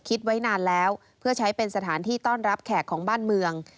คิดไว้นานแล้วเพื่อใช้เป็นสถานที่ต้อนรับแขกของบ้านเมือง